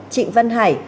trịnh văn hải